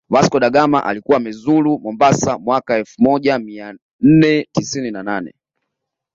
Vasco da Gama alikuwa amezuru Mombasa mwaka wa elfumoja mianne tisini na nane